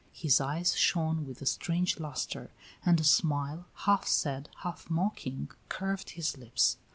His eyes shone with a strange lustre, and a smile, half sad, half mocking, curved his lips.